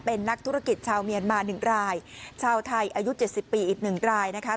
เป็นนักธุรกิจชาวเมียนมา๑รายชาวไทยอายุ๗๐ปีอีก๑รายนะคะ